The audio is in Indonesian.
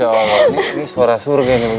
ini suara surga ini begini nih